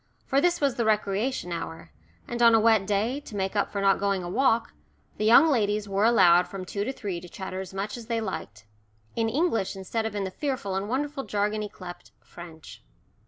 For this was the recreation hour, and on a wet day, to make up for not going a walk, the "young ladies" were allowed from two to three to chatter as much as they liked in English instead of in the fearful and wonderful jargon yclept "French."